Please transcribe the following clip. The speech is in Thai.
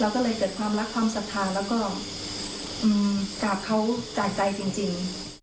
ก็เลยเกิดความรักความศรัทธาแล้วก็กราบเขาจากใจจริง